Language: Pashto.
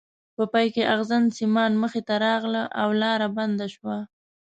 په پای کې ازغن سیمان مخې ته راغله او لاره بنده شوه.